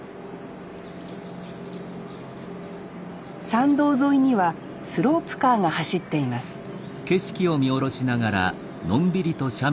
参道沿いにはスロープカーが走っていますお疲れさまでした。